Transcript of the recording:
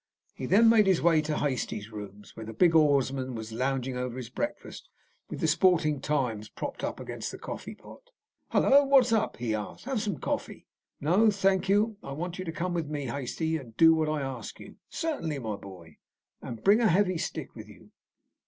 He then made his way to Hastie's rooms, where the big oarsman was lounging over his breakfast, with the Sporting Times propped up against the coffeepot. "Hullo! What's up?" he asked. "Have some coffee?" "No, thank you. I want you to come with me, Hastie, and do what I ask you." "Certainly, my boy." "And bring a heavy stick with you."